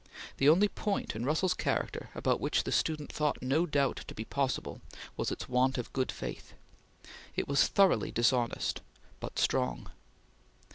The only point in Russell's character about which the student thought no doubt to be possible was its want of good faith. It was thoroughly dishonest, but strong.